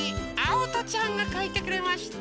おとちゃんがかいてくれました。